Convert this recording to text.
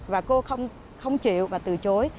và cô không chịu và từ chối